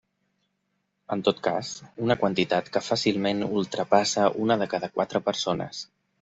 En tot cas, una quantitat que fàcilment ultrapassa una de cada quatre persones.